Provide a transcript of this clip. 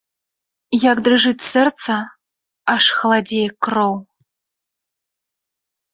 Як дрыжыць сэрца, аж халадзее кроў.